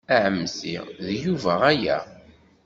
A ɛemmti, d Yuba aya.